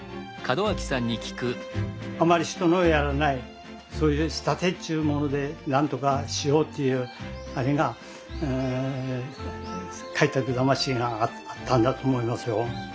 あまり人のやらないそういう仕立てっちゅうもので何とかしようというあれが開拓魂があったんだと思いますよ。